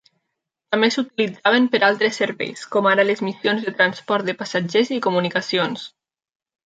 També s'utilitzaven per altres serveis, com ara les missions de transport de passatgers i comunicacions.